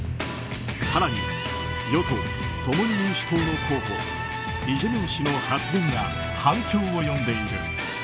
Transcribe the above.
更に、与党・共に民主党の候補イ・ジェミョン氏の発言が反響を呼んでいる。